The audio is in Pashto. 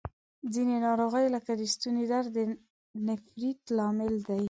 ځینې ناروغۍ لکه د ستوني درد د نفریت لامل دي.